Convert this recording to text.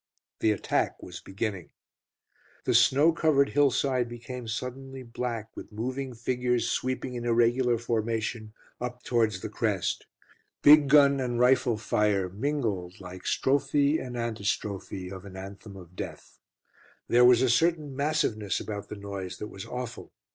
The attack was beginning. The snow covered hill side became suddenly black with moving figures sweeping in irregular formation up towards the crest. Big gun and rifle fire mingled like strophe and antistrophe of an anthem of death. There was a certain massiveness about the noise that was awful.